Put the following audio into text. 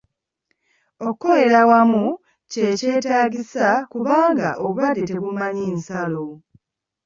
Okukolera awamu kye kyetaagisa kubanga obulwadde tebumanyi nsalo.